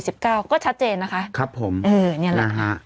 เรื่องของโควิดสิบเก้าก็ชัดเจนนะคะครับผมเออนี่แหละอืมนะฮะ